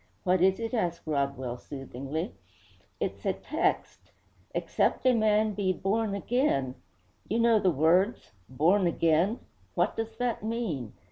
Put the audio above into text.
'What is it?' asked Rodwell soothingly. 'It's a text, "Except a man be born again " You know the words, Born again. What does that mean?'